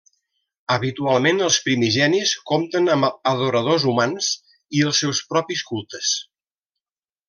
Habitualment els Primigenis compten amb adoradors humans i els seus propis cultes.